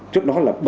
trước đó là